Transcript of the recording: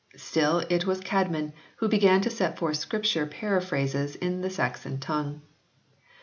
Still it was Csedmon who began to set forth Scripture paraphrases in the Saxon tongue.